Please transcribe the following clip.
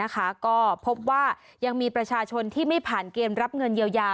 ก็พบว่ายังมีประชาชนที่ไม่ผ่านเกณฑ์รับเงินเยียวยา